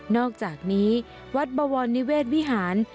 อกจากนี้วัดบวรนิเวศวิหาร